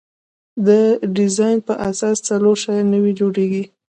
د ډیزاین په اساس څلور شیان نوي جوړیږي.